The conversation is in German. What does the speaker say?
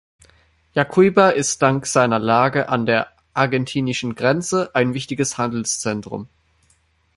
Yacuiba ist dank seiner Lage an der argentinischen Grenze ein wichtiges Handelszentrum.